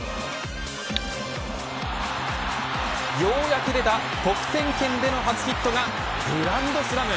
ようやく出た得点圏での初ヒットがグランドスラム。